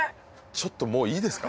ちょっともういいですか？